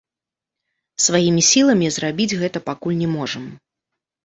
Сваімі сіламі зрабіць гэта пакуль не можам.